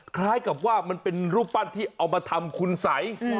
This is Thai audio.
คล้ายกับว่ามันเป็นรูปปั้นที่เอามาทำคุณสัย